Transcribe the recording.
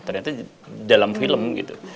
ternyata dalam film gitu